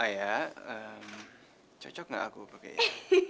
ayah cocok gak aku pakai kain